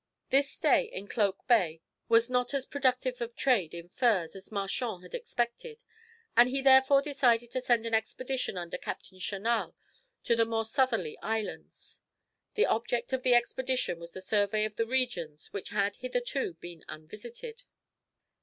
This stay in Cloak Bay was not as productive of trade in furs as Marchand had expected, and he therefore decided to send an expedition under Captain Chanal to the more southerly islands. The object of the expedition was the survey of the regions which had hitherto been unvisited.